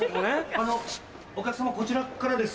あのお客さまこちらからです。